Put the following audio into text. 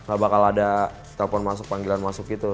gak bakal ada telepon masuk panggilan masuk gitu